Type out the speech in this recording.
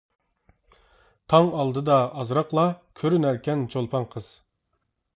تاڭ ئالدىدا ئازراقلا، كۆرۈنەركەن چولپان قىز.